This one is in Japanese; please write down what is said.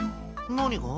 何が？